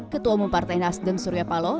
ketua umum partai nasdem suryapalo